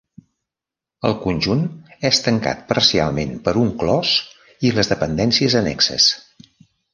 El conjunt és tancat parcialment per un clos i les dependències annexes.